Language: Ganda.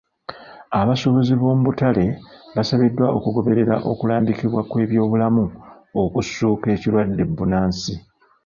Abasuubuzi b'omu butale baasabiddwa okugoberera okulambikibwa kw'ebyobulamu okusukka ekirwadde bbunansi.